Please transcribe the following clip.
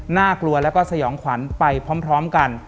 น่ากลัวแล้วก็สยองขวัญไปพร้อมกัน